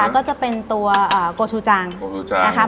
แล้วก็จะเป็นตัวโกชูจังโกชูจัง